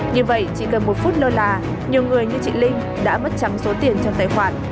như vậy chỉ cần một phút lơ là nhiều người như chị linh đã mất trắng số tiền trong tài khoản